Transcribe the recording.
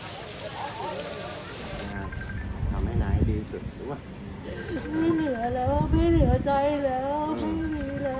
ไม่เหลือเแล้วไม่เหลือใจแล้ว